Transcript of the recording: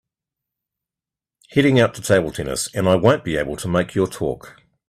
Heading out to table tennis and I won’t be able to make your talk.